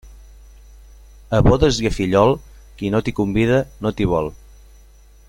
A bodes i a fillol, qui no t'hi convida, no t'hi vol.